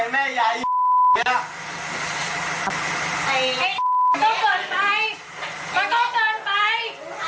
มันเกินมันเกินไป